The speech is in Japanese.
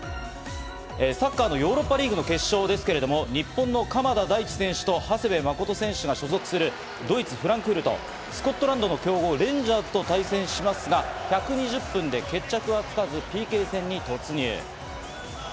サッカーのヨーロッパリーグの決勝ですけれども、日本の鎌田大地選手と長谷部誠選手が所属するドイツ・フランクフルト、スコットランドの強豪レンジャーズと対戦しますが、１２０分で決着はつかずＰＫ戦に突入。